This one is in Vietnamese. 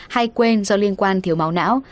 hay quên do liên quan thiếu máu não